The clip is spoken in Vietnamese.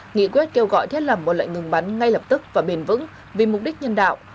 nghị quyết kêu gọi thiết lầm một lệnh ngừng bắn ngay lập tức và bền vững vì mục đích nhân đạo